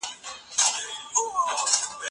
که غواړې چې هېواد دې ازاد وي نو اولادونه دې پوه کړه.